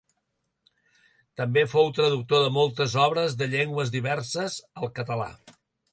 També fou traductor de moltes obres de llengües diverses al català.